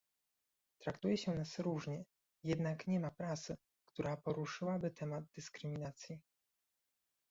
Traktuje się nas różnie, jednak nie ma prasy, która poruszyłaby temat dyskryminacji